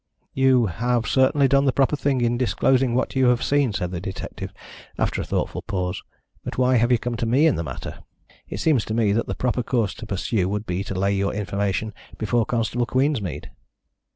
"You have certainly done the proper thing in disclosing what you have seen," said the detective, after a thoughtful pause. "But why have you come to me in the matter? It seems to me that the proper course to pursue would be to lay your information before Constable Queensmead."